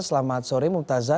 selamat sore mumtazah